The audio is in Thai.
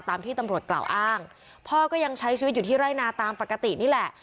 ตามที่ตำรวจกล่าวอ้างพ่อก็ยังใช้ชีวิตอยู่ที่ไร่นาตามปกตินี่แหละ